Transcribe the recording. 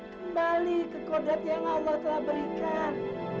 kembali ke kodrat yang allah telah berikan